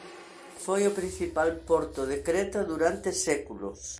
Foi o principal porto de Creta durante séculos.